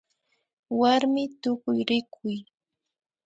Warmi Tukuyrikuy